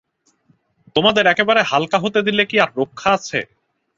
তোমাদের একেবারে হালকা হতে দিলে কি আর রক্ষা আছে!